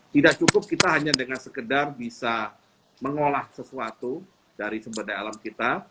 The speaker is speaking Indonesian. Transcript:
tidak cukup kita hanya dengan sekedar bisa mengolah sesuatu dari sumber daya alam kita